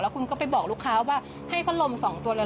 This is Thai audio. แล้วคุณก็ไปบอกลูกค้าว่าให้พระลมสองตัวเลย